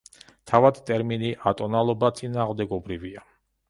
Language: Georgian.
თავად ტერმინი „ატონალობა“ წინააღმდეგობრივია.